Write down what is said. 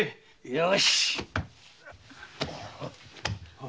よし。